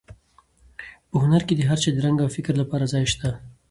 په هنر کې د هر چا د رنګ او فکر لپاره ځای شته دی.